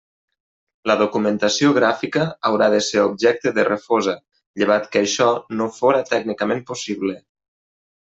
La documentació gràfica haurà de ser objecte de refosa, llevat que això no fóra tècnicament possible.